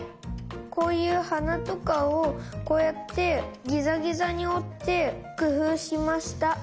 こういうはなとかをこうやってギザギザにおってくふうしました。